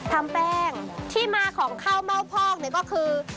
แป้งที่มาของข้าวเม่าพอกเนี่ยก็คือ